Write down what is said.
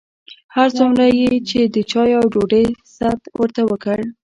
هر څومره یې چې د چایو او ډوډۍ ست ورته وکړ.